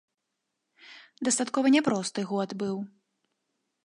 Дастаткова няпросты год быў.